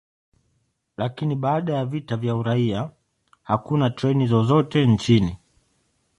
Lakini baada ya vita vya uraia, hakuna treni zozote nchini.